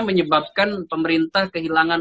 menyebabkan pemerintah kehilangan